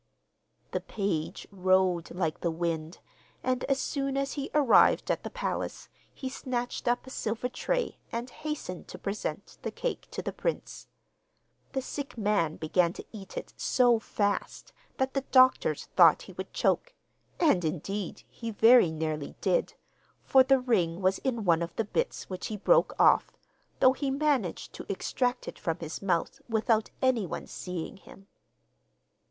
The page rode like the wind, and as soon as he arrived at the palace he snatched up a silver tray and hastened to present the cake to the prince. The sick man began to eat it so fast that the doctors thought he would choke; and, indeed, he very nearly did, for the ring was in one of the bits which he broke off, though he managed to extract it from his mouth without anyone seeing him.